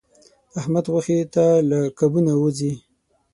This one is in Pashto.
احمد غوښې ته له کابو نه و ځي.